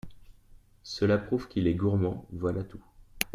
Cela prouve qu’il est gourmand, voilà tout…